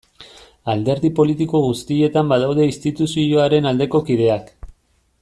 Alderdi politiko guztietan badaude instituzioaren aldeko kideak.